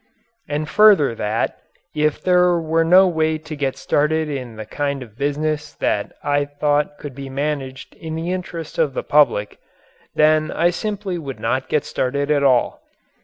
And further that, if there were no way to get started in the kind of business that I thought could be managed in the interest of the public, then I simply would not get started at all.